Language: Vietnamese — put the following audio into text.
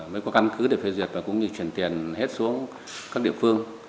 mới có căn cứ để phê duyệt và cũng như chuyển tiền hết xuống các địa phương